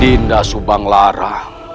dinda subang lara